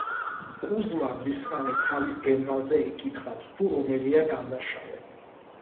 კუზმა მრისხანე თავის გემბანზე იკითხავს, თუ რომელია დამნაშავე.